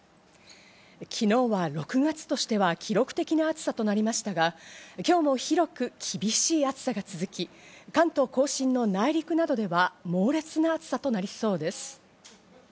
昨日は６月としては記録的な暑さとなりましたが、今日も広く厳しい暑さが続き、関東甲信の内陸などでは猛烈な暑さとなりそうです。